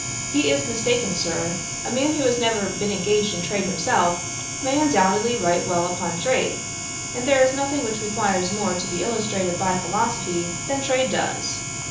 'He is mistaken, Sir: a man who has never been engaged in trade himself may undoubtedly write well upon trade, and there is nothing which requires more to be illustrated by philosophy than trade does.